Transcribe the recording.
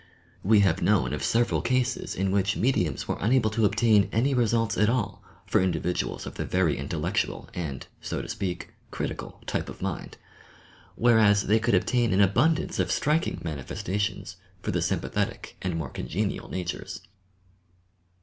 We have known of several cases in which mediums were unable to obtain any results at all for individuals of the very intellectual and, so to speak, critical type of mind, whereas they could obtain an abundance of striking manifestations for the sympathetic and more congenial natures.